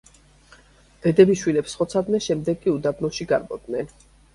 დედები შვილებს ხოცავდნენ, შემდეგ კი უდაბნოში გარბოდნენ.